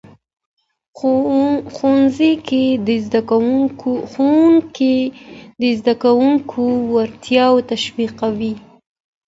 ښوونکی د زدهکوونکو وړتیاوې تشویقوي.